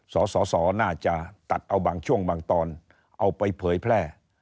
สสน่าจะตัดเอาบางช่วงบางตอนเอาไปเผยแพร่